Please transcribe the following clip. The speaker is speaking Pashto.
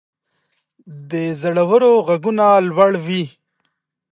د زړورو ږغونه لوړ وي.